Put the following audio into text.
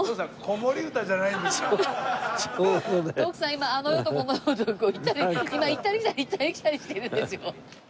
今あの世とこの世を今行ったり来たり行ったり来たりしてるんですよ。